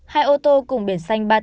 hai ô tô cùng biển xanh ba mươi tám a